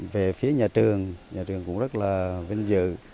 về phía nhà trường nhà trường cũng rất là vinh dự